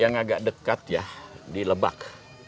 yang agak dekat ya di lebak